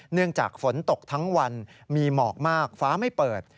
เนื่องจากฝนตกทั้งวันมีหมอกมากฟ้าไม่เปิด